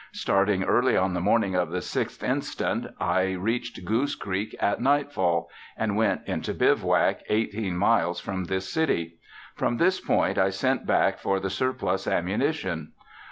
Starting early on the morning of the 6th inst., I reached Goose Creek at nightfall, and went into bivouac eighteen miles from this city. From this point I sent back for the surplus ammunition.